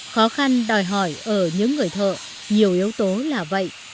khó khăn đòi hỏi ở những người thợ nhiều yếu tố là vậy